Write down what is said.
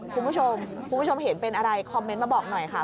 คุณผู้ชมคุณผู้ชมเห็นเป็นอะไรคอมเมนต์มาบอกหน่อยค่ะ